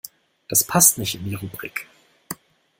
Das passt nicht in die Rubrik.